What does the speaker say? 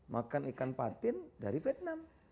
makan ikan patin dari vietnam